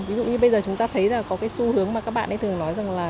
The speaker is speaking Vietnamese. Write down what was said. ví dụ như bây giờ chúng ta thấy là có cái xu hướng mà các bạn ấy thường nói rằng là